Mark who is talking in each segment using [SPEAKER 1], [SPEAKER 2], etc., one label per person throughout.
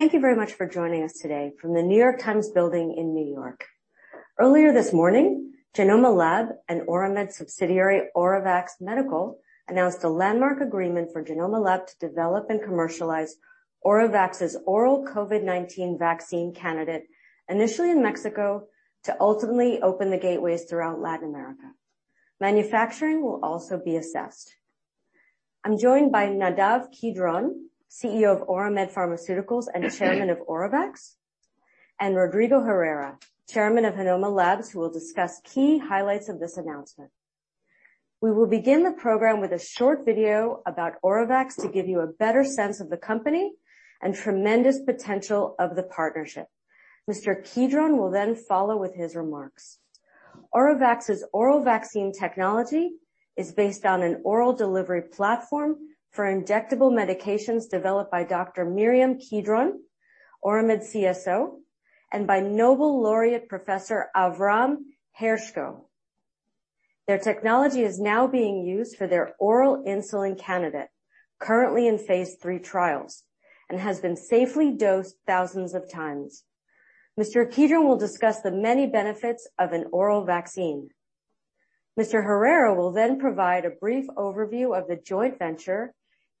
[SPEAKER 1] Thank you very much for joining us today from the New York Times building in New York. Earlier this morning, Genomma Lab and Oramed subsidiary, Oravax Medical, announced a landmark agreement for Genomma Lab to develop and commercialize Oravax's oral COVID-19 vaccine candidate, initially in Mexico, to ultimately open the gateways throughout Latin America. Manufacturing will also be assessed. I'm joined by Nadav Kidron, CEO of Oramed Pharmaceuticals and chairman of Oravax, and Rodrigo Herrera, chairman of Genomma Lab, who will discuss key highlights of this announcement. We will begin the program with a short video about Oravax to give you a better sense of the company and tremendous potential of the partnership. Mr. Kidron will then follow with his remarks. Oravax's oral vaccine technology is based on an oral delivery platform for injectable medications developed by Dr. Miriam Kidron, Oramed CSO, and by Nobel laureate Professor Avram Hershko. Their technology is now being used for their oral insulin candidate, currently in Phase III trials and has been safely dosed thousands of times. Mr. Kidron will discuss the many benefits of an oral vaccine. Mr. Herrera will then provide a brief overview of the joint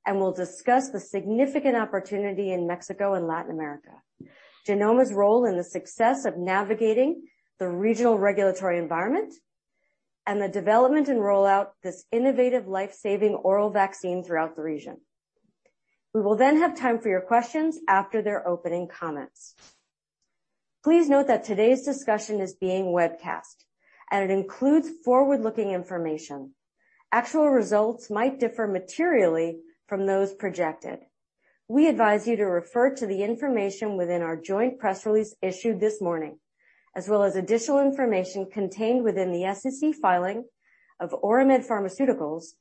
[SPEAKER 1] venture and will discuss the significant opportunity in Mexico and Latin America, Genomma's role in the success of navigating the regional regulatory environment and the development and rollout this innovative life-saving oral vaccine throughout the region. We will have time for your questions after their opening comments. Please note that today's discussion is being webcast, and it includes forward-looking information. Actual results might differ materially from those projected. We advise you to refer to the information within our joint press release issued this morning, as well as additional information contained within the SEC filing of Oramed Pharmaceuticals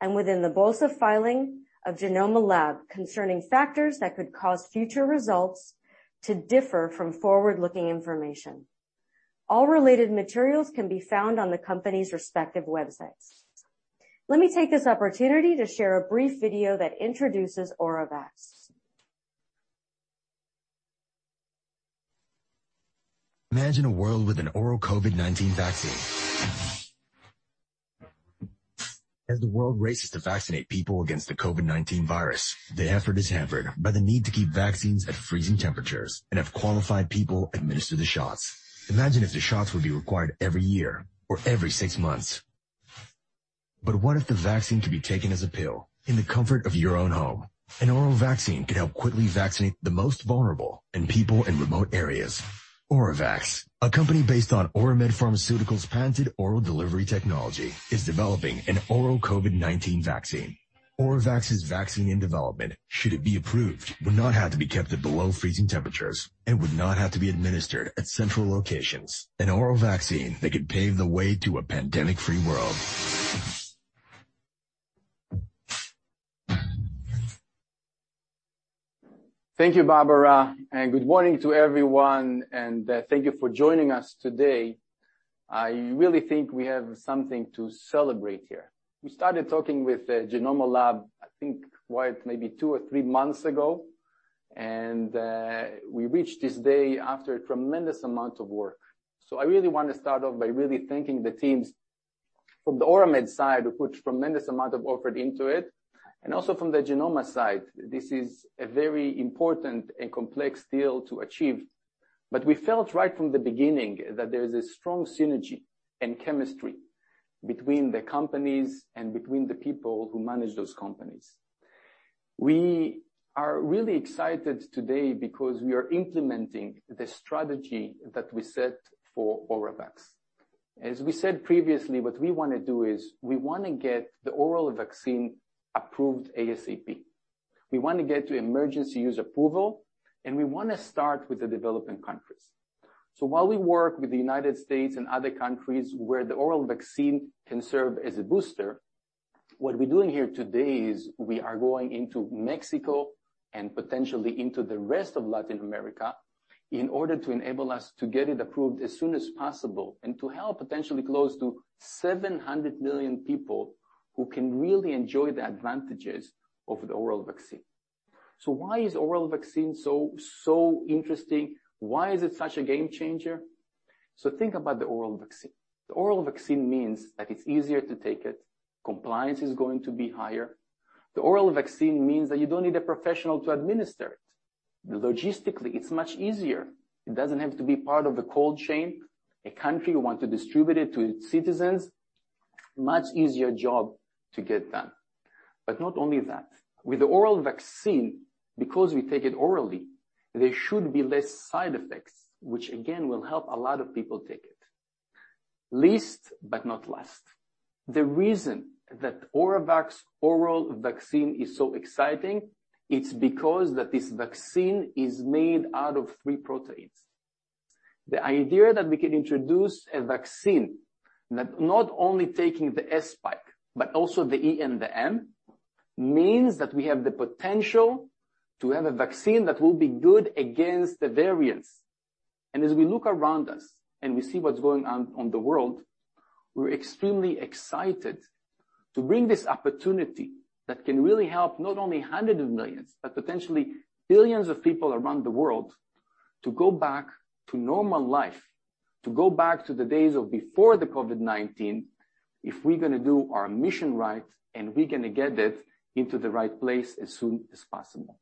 [SPEAKER 1] and within the Bolsa filing of Genomma Lab concerning factors that could cause future results to differ from forward-looking information. All related materials can be found on the company's respective websites. Let me take this opportunity to share a brief video that introduces Oravax.
[SPEAKER 2] Imagine a world with an oral COVID-19 vaccine. As the world races to vaccinate people against the COVID-19 virus, the effort is hampered by the need to keep vaccines at freezing temperatures and have qualified people administer the shots. Imagine if the shots would be required every year or every six months. What if the vaccine could be taken as a pill in the comfort of your own home? An oral vaccine could help quickly vaccinate the most vulnerable and people in remote areas. Oravax, a company based on Oramed Pharmaceuticals' patented oral delivery technology, is developing an oral COVID-19 vaccine. Oravax's vaccine in development, should it be approved, would not have to be kept at below freezing temperatures and would not have to be administered at central locations. An oral vaccine that could pave the way to a pandemic free world.
[SPEAKER 3] Thank you, Barbara, and good morning to everyone and thank you for joining us today. I really think we have something to celebrate here. We started talking with Genomma Lab, I think quite maybe two or three months ago, and we reached this day after a tremendous amount of work. I really want to start off by really thanking the teams from the Oramed side, who put tremendous amount of effort into it, and also from the Genomma side. This is a very important and complex deal to achieve. We felt right from the beginning that there is a strong synergy and chemistry between the companies and between the people who manage those companies. We are really excited today because we are implementing the strategy that we set for Oravax. As we said previously, what we wanna do is we wanna get the oral vaccine approved ASAP. We want to get to Emergency Use Authorization, and we wanna start with the developing countries. While we work with the United States and other countries where the oral vaccine can serve as a booster, what we're doing here today is we are going into Mexico and potentially into the rest of Latin America in order to enable us to get it approved as soon as possible and to help potentially close to 700 million people who can really enjoy the advantages of the oral vaccine. Why is oral vaccine so interesting? Why is it such a game changer? Think about the oral vaccine. The oral vaccine means that it's easier to take it. Compliance is going to be higher. The oral vaccine means that you don't need a professional to administer it. Logistically, it's much easier. It doesn't have to be part of the cold chain. A country will want to distribute it to its citizens. Much easier job to get done. Not only that, with the oral vaccine, because we take it orally, there should be less side effects, which again, will help a lot of people take it. Last but not least, the reason that Oravax oral vaccine is so exciting, it's because that this vaccine is made out of three proteins. The idea that we can introduce a vaccine that not only taking the S spike, but also the E and the M, means that we have the potential to have a vaccine that will be good against the variants. As we look around us and we see what's going on around the world. We're extremely excited to bring this opportunity that can really help not only hundreds of millions, but potentially billions of people around the world to go back to normal life, to go back to the days of before the COVID-19 if we're gonna do our mission right and we're gonna get it into the right place as soon as possible.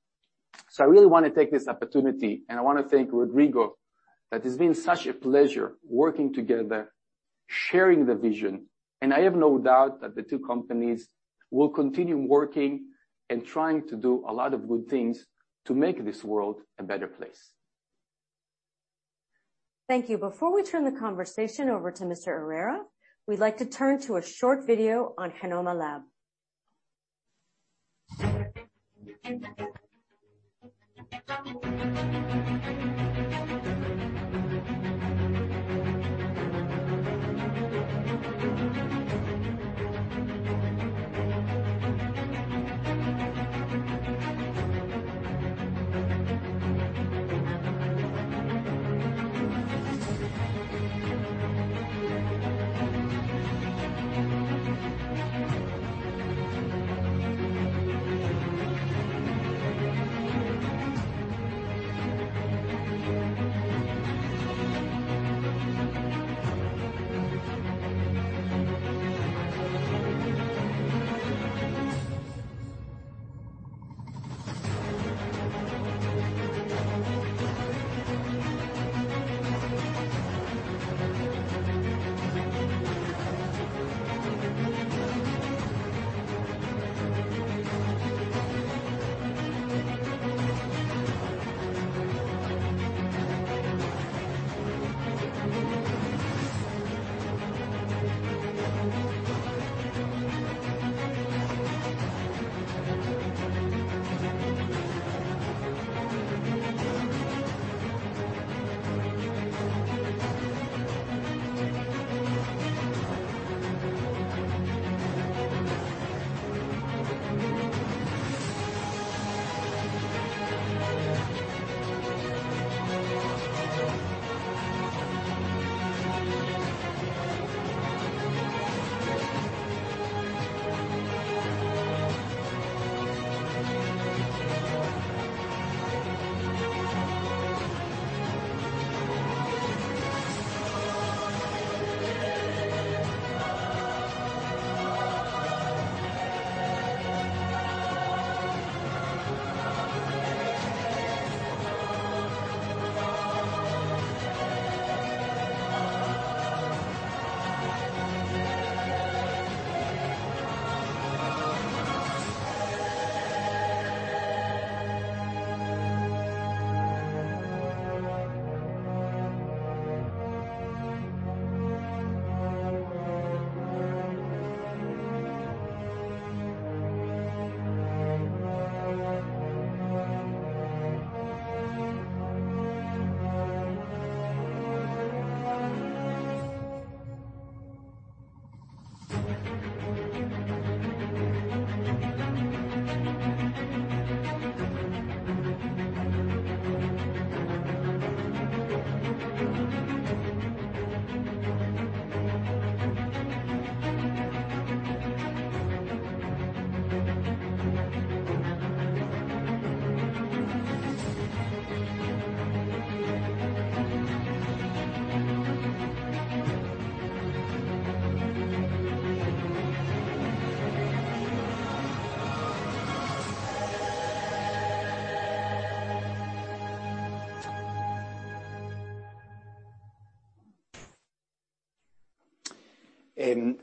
[SPEAKER 3] I really wanna take this opportunity, and I wanna thank Rodrigo, that it's been such a pleasure working together, sharing the vision, and I have no doubt that the two companies will continue working and trying to do a lot of good things to make this world a better place.
[SPEAKER 1] Thank you. Before we turn the conversation over to Rodrigo Herrera, we'd like to turn to a short video on Genomma Lab.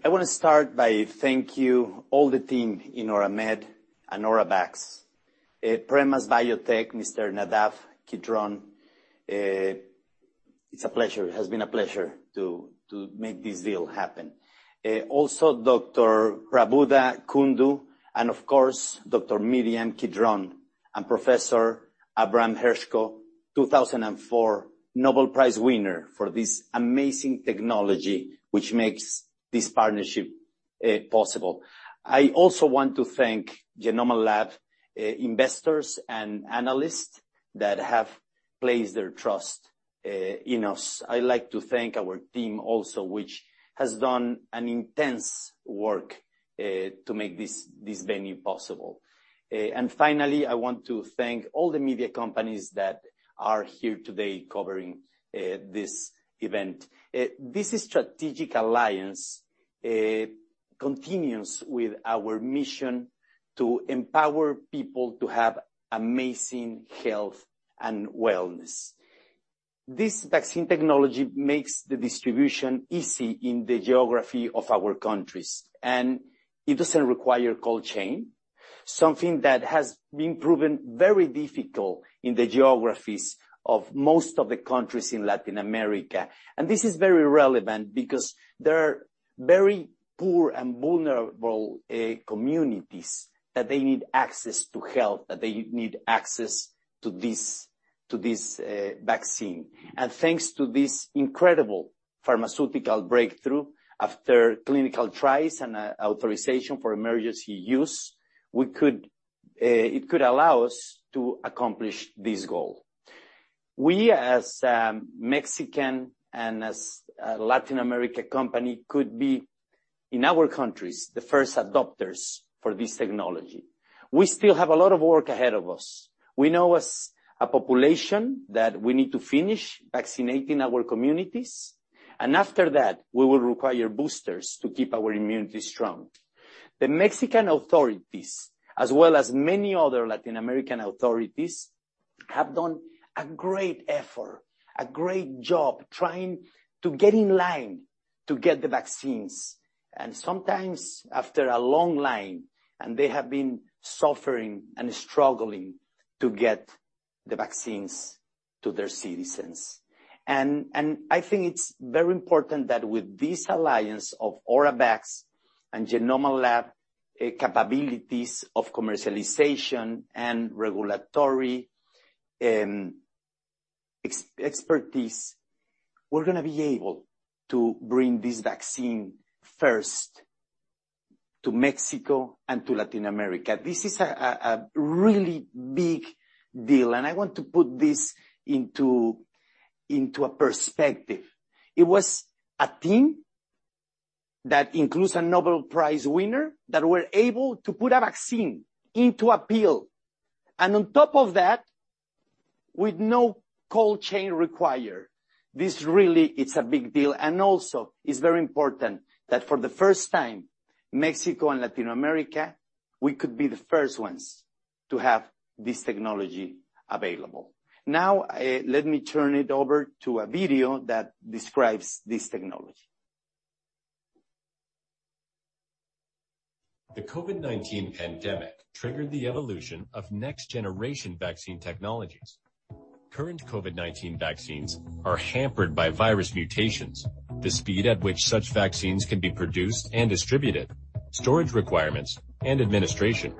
[SPEAKER 4] I wanna start by thank you all the team in Oramed and Oravax. At Premas Biotech, Mr. Nadav Kidron, it's a pleasure. It has been a pleasure to make this deal happen. Also Dr. Prabuddha Kundu, and of course, Dr. Miriam Kidron and Professor Avram Hershko, 2004 Nobel Prize winner for this amazing technology which makes this partnership possible. I also want to thank Genomma Lab, investors and analysts that have placed their trust in us. I like to thank our team also which has done an intense work to make this venue possible. Finally, I want to thank all the media companies that are here today covering this event. This strategic alliance continues with our mission to empower people to have amazing health and wellness. This vaccine technology makes the distribution easy in the geography of our countries, and it doesn't require cold chain, something that has been proven very difficult in the geographies of most of the countries in Latin America. This is very relevant because there are very poor and vulnerable communities that they need access to health, that they need access to this vaccine. Thanks to this incredible pharmaceutical breakthrough after clinical trials and authorization for emergency use, it could allow us to accomplish this goal. We as Mexican and as a Latin America company could be, in our countries, the first adopters for this technology. We still have a lot of work ahead of us. We know as a population that we need to finish vaccinating our communities, and after that, we will require boosters to keep our immunity strong. The Mexican authorities, as well as many other Latin American authorities, have done a great effort, a great job trying to get in line to get the vaccines. Sometimes after a long line, they have been suffering and struggling to get the vaccines to their citizens. I think it's very important that with this alliance of Oravax and Genomma Lab, capabilities of commercialization and regulatory expertise, we're gonna be able to bring this vaccine first to Mexico and to Latin America. This is a really big deal, and I want to put this into a perspective. It was a team that includes a Nobel Prize winner that were able to put a vaccine into a pill, and on top of that, with no cold chain required. This really is a big deal and also is very important that for the first time, Mexico and Latin America, we could be the first ones to have this technology available. Now, let me turn it over to a video that describes this technology.
[SPEAKER 2] The COVID-19 pandemic triggered the evolution of next-generation vaccine technologies. Current COVID-19 vaccines are hampered by virus mutations, the speed at which such vaccines can be produced and distributed, storage requirements, and administration.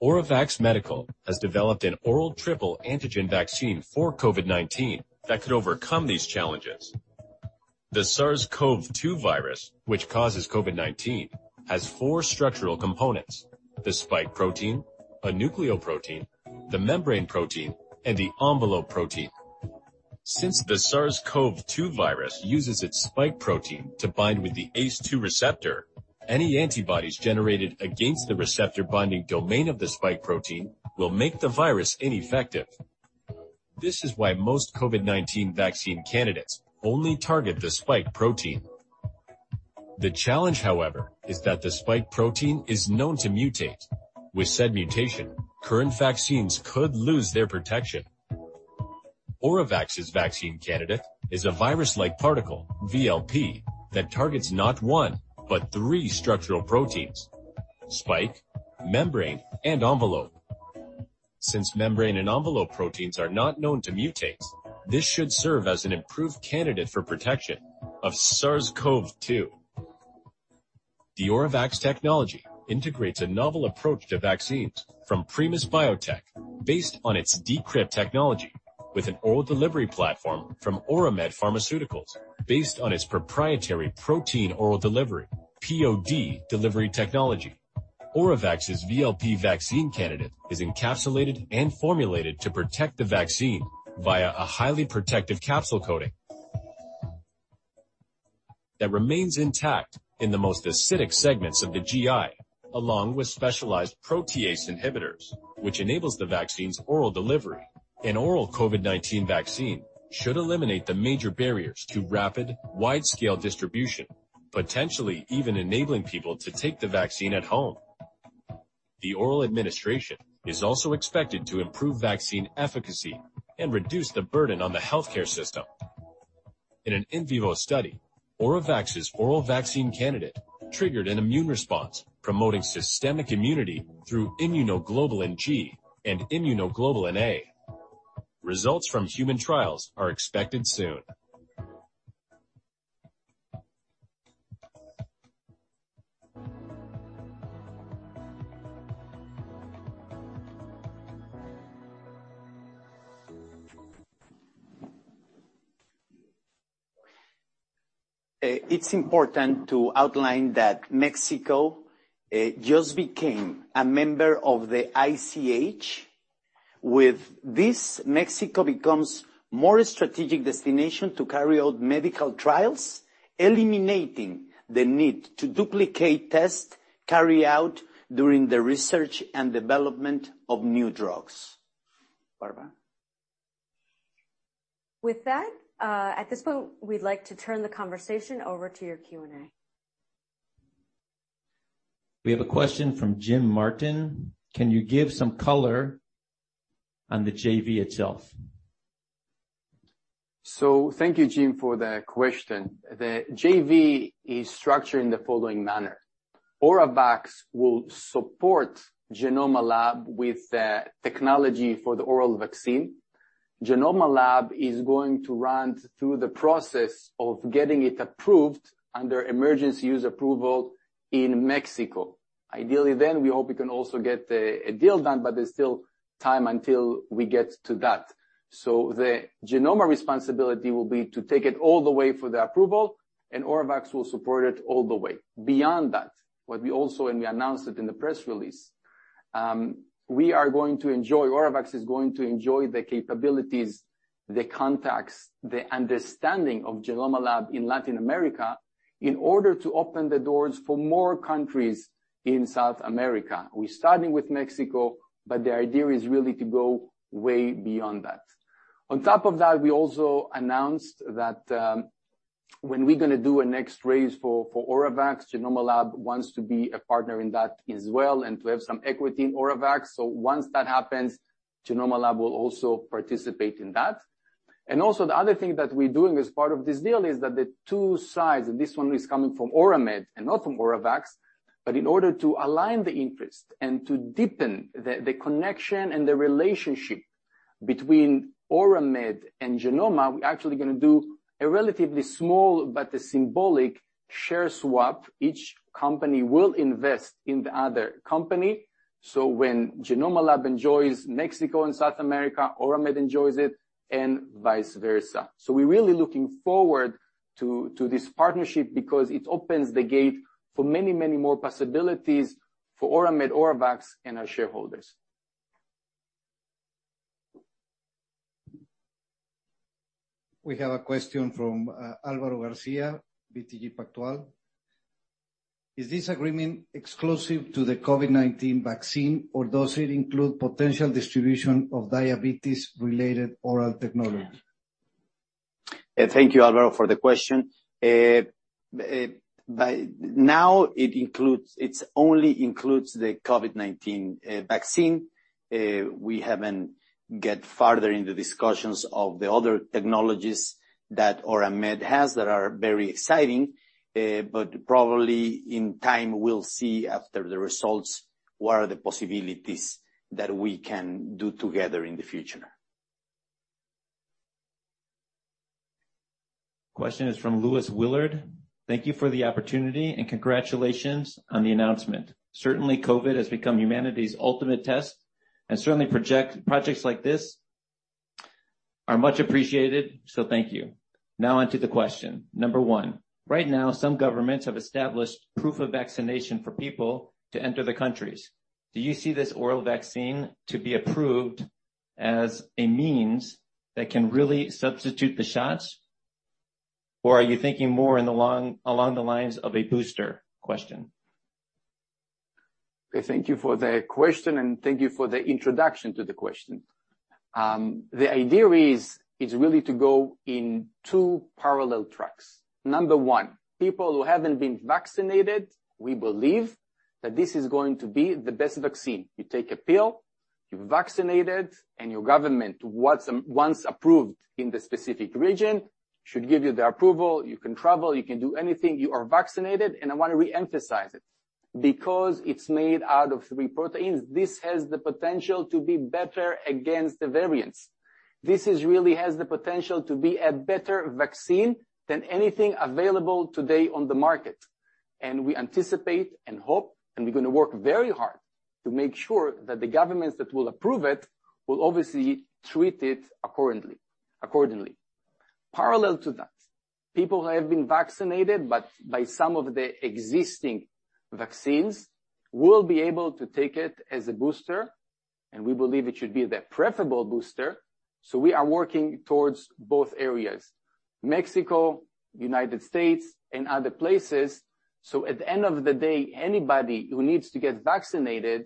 [SPEAKER 2] Oravax Medical has developed an oral triple antigen vaccine for COVID-19 that could overcome these challenges. The SARS-CoV-2 virus, which causes COVID-19, has four structural components, the spike protein, a nucleoprotein, the membrane protein, and the envelope protein. Since the SARS-CoV-2 virus uses its spike protein to bind with the ACE2 receptor, any antibodies generated against the receptor binding domain of the spike protein will make the virus ineffective. This is why most COVID-19 vaccine candidates only target the spike protein. The challenge, however, is that the spike protein is known to mutate. With said mutation, current vaccines could lose their protection. Oravax's vaccine candidate is a virus-like particle, VLP, that targets not one, but three structural proteins, spike, membrane, and envelope. Since membrane and envelope proteins are not known to mutate, this should serve as an improved candidate for protection of SARS-CoV-2. The Oravax technology integrates a novel approach to vaccines from Premas Biotech based on its D-Crypt technology with an oral delivery platform from Oramed Pharmaceuticals based on its proprietary protein oral delivery, POD delivery technology. Oravax's VLP vaccine candidate is encapsulated and formulated to protect the vaccine via a highly protective capsule coating that remains intact in the most acidic segments of the GI, along with specialized protease inhibitors, which enables the vaccine's oral delivery. An oral COVID-19 vaccine should eliminate the major barriers to rapid, wide-scale distribution, potentially even enabling people to take the vaccine at home. The oral administration is also expected to improve vaccine efficacy and reduce the burden on the healthcare system. In an in vivo study, Oravax's oral vaccine candidate triggered an immune response promoting systemic immunity through immunoglobulin G and Immunoglobulin A. Results from human trials are expected soon.
[SPEAKER 4] It's important to outline that Mexico just became a member of the ICH. With this, Mexico becomes more a strategic destination to carry out medical trials, eliminating the need to duplicate tests carried out during the research and development of new drugs. Barbara.
[SPEAKER 1] With that, at this point, we'd like to turn the conversation over to your Q&A. We have a question from Jim Martin. Can you give some color on the JV itself?
[SPEAKER 4] Thank you, Jim, for the question. The JV is structured in the following manner. Oravax will support Genomma Lab with the technology for the oral vaccine. Genomma Lab is going to run through the process of getting it approved under Emergency Use Authorization in Mexico. Ideally then, we hope we can also get a deal done, but there's still time until we get to that. The Genomma responsibility will be to take it all the way for the approval.
[SPEAKER 3] Oravax will support it all the way. Beyond that, we announced it in the press release. Oravax is going to enjoy the capabilities, the contacts, the understanding of Genomma Lab in Latin America in order to open the doors for more countries in South America. We're starting with Mexico, but the idea is really to go way beyond that. On top of that, we also announced that, when we're gonna do a next raise for Oravax, Genomma Lab wants to be a partner in that as well and to have some equity in Oravax. Once that happens, Genomma Lab will also participate in that. Also the other thing that we're doing as part of this deal is that the two sides, and this one is coming from Oramed and not from Oravax, but in order to align the interest and to deepen the connection and the relationship between Oramed and Genomma, we're actually gonna do a relatively small but a symbolic share swap. Each company will invest in the other company. When Genomma Lab enjoys Mexico and South America, Oramed enjoys it, and vice versa. We're really looking forward to this partnership because it opens the gate for many, many more possibilities for Oramed, Oravax, and our shareholders.
[SPEAKER 1] We have a question from Alvaro Garcia, BTG Pactual. Is this agreement exclusive to the COVID-19 vaccine or does it include potential distribution of diabetes-related oral technology?
[SPEAKER 3] Thank you, Alvaro, for the question. By now it only includes the COVID-19 vaccine. We haven't get farther in the discussions of the other technologies that Oramed has that are very exciting, but probably in time we'll see after the results what are the possibilities that we can do together in the future.
[SPEAKER 1] Question from Lewis Willard. Thank you for the opportunity and congratulations on the announcement. Certainly, COVID has become humanity's ultimate test. Certainly projects like this are much appreciated, so thank you. Now on to the question. Number 1, right now some governments have established proof of vaccination for people to enter the countries. Do you see this oral vaccine to be approved as a means that can really substitute the shots, or are you thinking more along the lines of a booster?
[SPEAKER 3] Thank you for the question, and thank you for the introduction to the question. The idea is really to go in two parallel tracks. Number one, people who haven't been vaccinated, we believe that this is going to be the best vaccine. You take a pill, you're vaccinated, and your government, once approved in the specific region, should give you the approval. You can travel, you can do anything, you are vaccinated. I wanna re-emphasize it. Because it's made out of three proteins, this has the potential to be better against the variants. This really has the potential to be a better vaccine than anything available today on the market. We anticipate and hope, and we're gonna work very hard to make sure that the governments that will approve it will obviously treat it accordingly. Parallel to that, people who have been vaccinated, but by some of the existing vaccines, will be able to take it as a booster, and we believe it should be the preferable booster. We are working towards both areas, Mexico, United States, and other places. At the end of the day, anybody who needs to get vaccinated,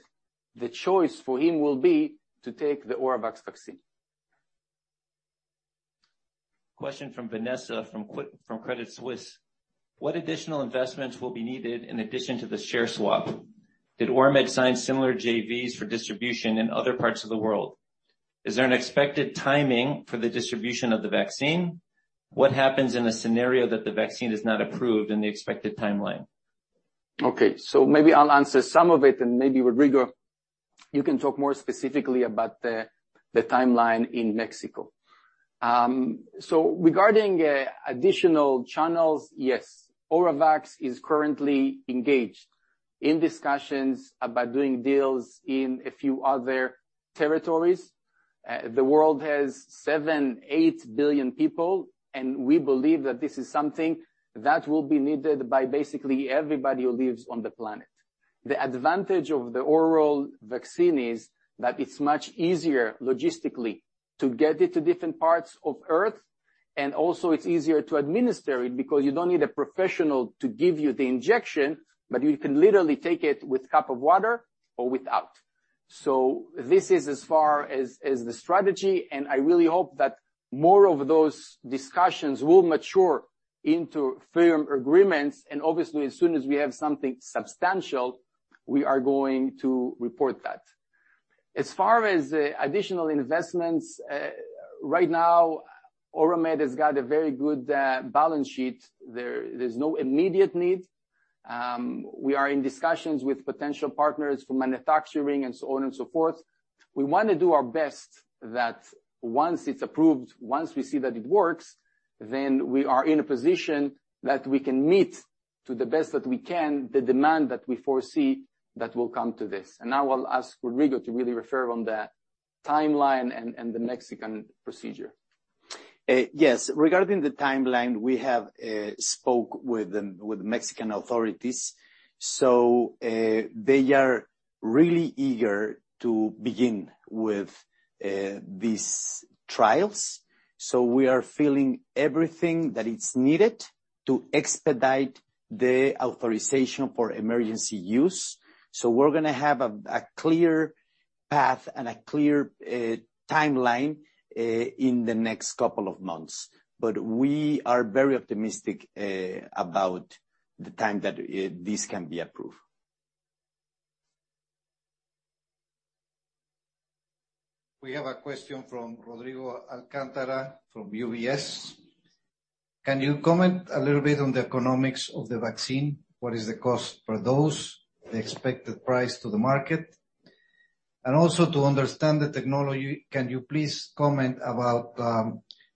[SPEAKER 3] the choice for him will be to take the Oravax vaccine.
[SPEAKER 1] Question from Vanessa, from Credit Suisse. What additional investments will be needed in addition to the share swap? Did Oramed sign similar JVs for distribution in other parts of the world? Is there an expected timing for the distribution of the vaccine? What happens in a scenario that the vaccine is not approved in the expected timeline?
[SPEAKER 3] Okay, maybe I'll answer some of it, and maybe, Rodrigo, you can talk more specifically about the timeline in Mexico. Regarding additional channels, yes, Oravax is currently engaged in discussions about doing deals in a few other territories. The world has 7-8 billion people, and we believe that this is something that will be needed by basically everybody who lives on the planet. The advantage of the oral vaccine is that it's much easier logistically to get it to different parts of Earth, and also it's easier to administer it because you don't need a professional to give you the injection, but you can literally take it with cup of water or without. This is as far as the strategy, and I really hope that more of those discussions will mature into firm agreements. Obviously, as soon as we have something substantial, we are going to report that. As far as additional investments, right now, Oramed has got a very good balance sheet. There's no immediate need. We are in discussions with potential partners for manufacturing and so on and so forth. We wanna do our best that once it's approved, once we see that it works, then we are in a position that we can meet to the best that we can the demand that we foresee that will come to this. Now I'll ask Rodrigo to really refer on the timeline and the Mexican procedure.
[SPEAKER 4] Yes. Regarding the timeline, we have spoke with the Mexican authorities. They are really eager to begin with these trials. We are filling everything that is needed to expedite the authorization for emergency use. We're gonna have a clear path and a clear timeline in the next couple of months. We are very optimistic about the time that this can be approved.
[SPEAKER 1] We have a question from Rodrigo Alcántara from UBS. Can you comment a little bit on the economics of the vaccine? What is the cost per dose, the expected price to the market? To understand the technology, can you please comment about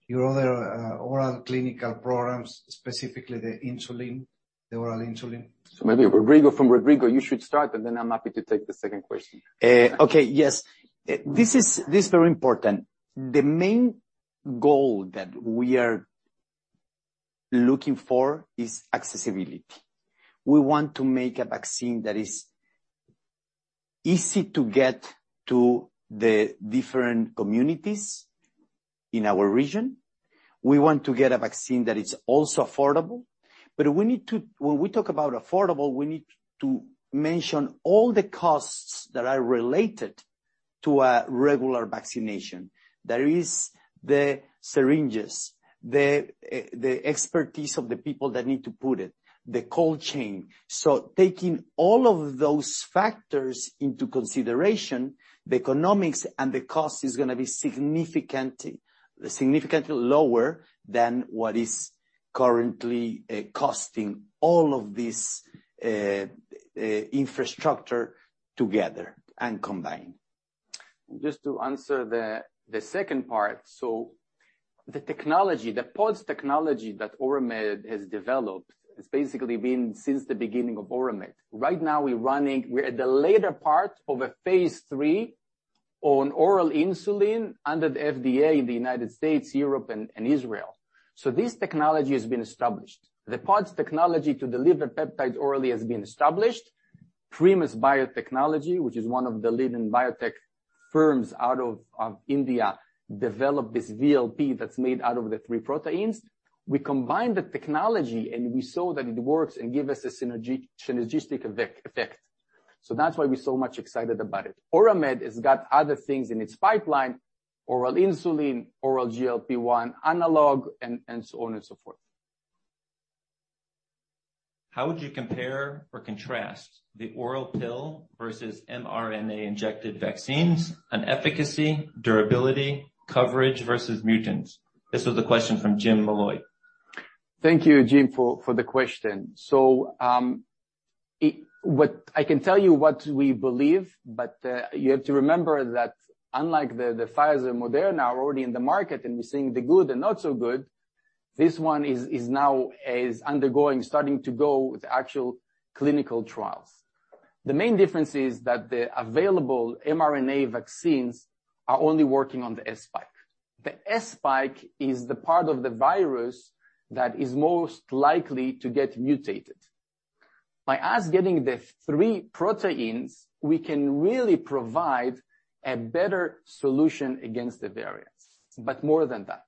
[SPEAKER 1] your other oral clinical programs, specifically the insulin, the oral insulin?
[SPEAKER 3] Maybe Rodrigo from Rodrigo, you should start, but then I'm happy to take the second question.
[SPEAKER 4] This is very important. The main goal that we are looking for is accessibility. We want to make a vaccine that is easy to get to the different communities in our region. We want to get a vaccine that is also affordable. We need to. When we talk about affordable, we need to mention all the costs that are related to a regular vaccination. There is the syringes, the expertise of the people that need to put it, the cold chain. Taking all of those factors into consideration, the economics and the cost is gonna be significantly lower than what is currently costing all of this infrastructure together and combined.
[SPEAKER 3] Just to answer the second part. The technology, the POD technology that Oramed has developed, it's basically been since the beginning of Oramed. Right now we're at the later part of a Phase III on oral insulin under the FDA in the United States, Europe and Israel. This technology has been established. The POD technology to deliver peptides orally has been established. Premas Biotech, which is one of the leading biotech firms out of India, developed this VLP that's made out of the three proteins. We combined the technology, and we saw that it works and give us a synergistic effect. That's why we so much excited about it. Oramed has got other things in its pipeline, oral insulin, oral GLP-1 analog and so on and so forth.
[SPEAKER 1] How would you compare or contrast the oral pill versus mRNA injected vaccines on efficacy, durability, coverage versus mutants? This was a question from James Molloy.
[SPEAKER 3] Thank you, Jim, for the question. I can tell you what we believe, but you have to remember that unlike the Pfizer and Moderna are already in the market, and we're seeing the good and not so good. This one is now starting to go into actual clinical trials. The main difference is that the available mRNA vaccines are only working on the S spike. The S spike is the part of the virus that is most likely to get mutated. By us getting the three proteins, we can really provide a better solution against the variants. But more than that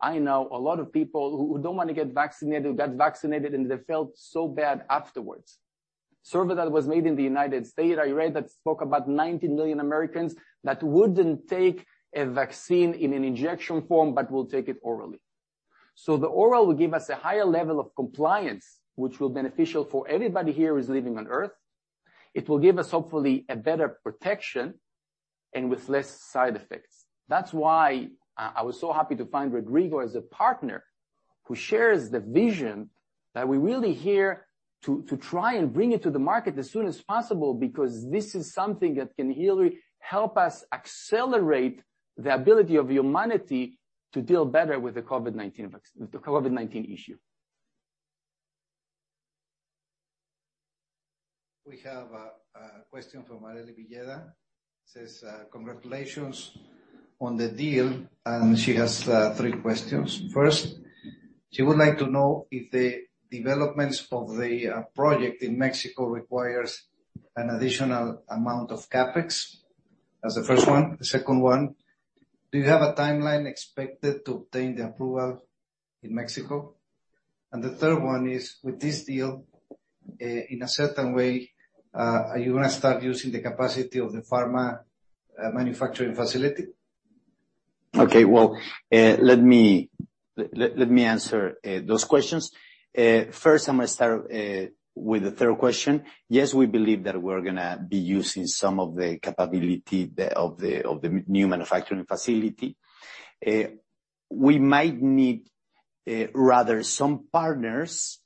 [SPEAKER 3] I know a lot of people who don't wanna get vaccinated, got vaccinated, and they felt so bad afterwards. survey that was made in the United States, I read that spoke about 90 million Americans that wouldn't take a vaccine in an injection form but will take it orally. The oral will give us a higher level of compliance, which will beneficial for anybody here who's living on Earth. It will give us, hopefully, a better protection and with less side effects. That's why I was so happy to find Rodrigo as a partner, who shares the vision that we're really here to try and bring it to the market as soon as possible, because this is something that can really help us accelerate the ability of humanity to deal better with the COVID-19 issue.
[SPEAKER 1] We have a question from Areli Villeda. Says, congratulations on the deal. She has three questions. First, she would like to know if the developments of the project in Mexico requires an additional amount of CapEx. That's the first one. The second one, do you have a timeline expected to obtain the approval in Mexico? The third one is, with this deal, in a certain way, are you gonna start using the capacity of the pharma manufacturing facility?
[SPEAKER 4] Okay. Well, let me answer those questions. First, I'm gonna start with the third question. Yes, we believe that we're gonna be using some of the capability of the new manufacturing facility. We might need rather some partners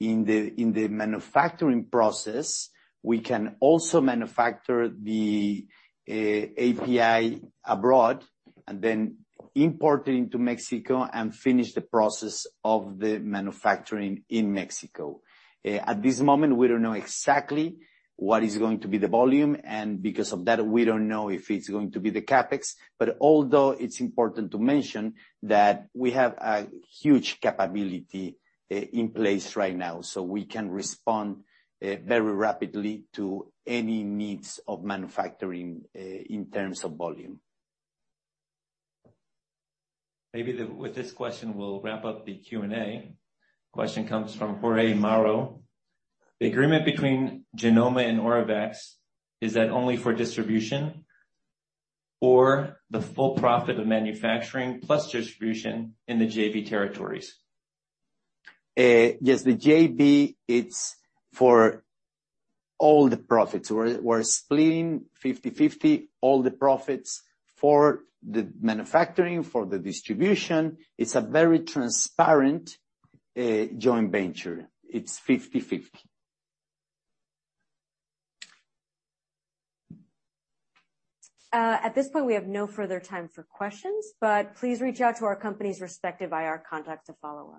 [SPEAKER 4] in the manufacturing process. We can also manufacture the API abroad and then import it into Mexico and finish the process of the manufacturing in Mexico. At this moment, we don't know exactly what is going to be the volume, and because of that, we don't know if it's going to be the CapEx. Although it's important to mention that we have a huge capability in place right now, so we can respond very rapidly to any needs of manufacturing in terms of volume.
[SPEAKER 1] With this question, we'll wrap up the Q&A. Question comes from Jorge Mauro. The agreement between Genomma and Oravax, is that only for distribution or the full profit of manufacturing plus distribution in the JV territories?
[SPEAKER 4] Yes, the JV, it's for all the profits. We're splitting 50-50 all the profits for the manufacturing, for the distribution. It's a very transparent joint venture. It's 50-50.
[SPEAKER 1] At this point, we have no further time for questions, but please reach out to our company's respective IR contact to follow up.